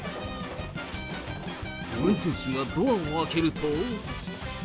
運転手がドアを開けると。